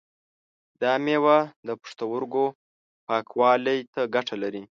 دا مېوه د پښتورګو پاکوالی ته ګټه لري.